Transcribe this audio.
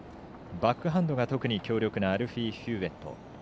バックハンドが特に強力なアルフィー・ヒューウェット。